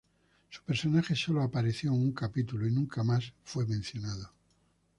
Su personaje sólo apareció en un capítulo y nunca más fue mencionado.